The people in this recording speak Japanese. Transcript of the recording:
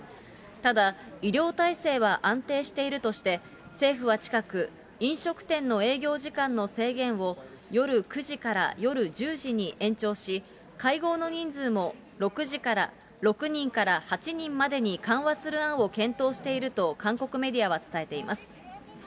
ただ、医療体制は安定しているとして、政府は近く、飲食店の営業時間の制限を夜９時から夜１０時に延長し、会合の人数も６人から８人までに緩和する案を検討していると韓国メディアは伝えています。